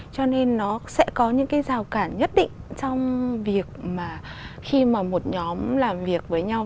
cho nên nó sẽ có những cái rào cản nhất định trong việc mà khi mà một nhóm làm việc với nhau